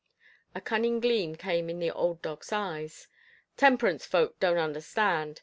A cunning gleam came in the old dog's eyes. "Temperance folk don't understand.